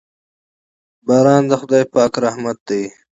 باران د خداے پاک رحمت دے